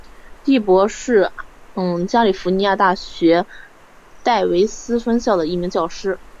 第伯是加利福尼亚大学戴维斯分校的一名教师。